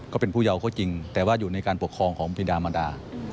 ก็เป็นผู้เยาว์เขาจริงแต่ว่าอยู่ในการปกครองของพิดามันดา